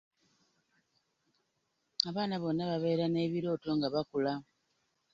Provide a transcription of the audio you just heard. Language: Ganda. Abaana bonna babeera n'ebirooto nga bakula.